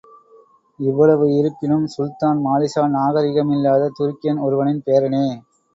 இவ்வளவு இருப்பினும், சுல்தான் மாலிக்ஷா நாகரிக மில்லாத துருக்கியன் ஒருவனின் பேரனே.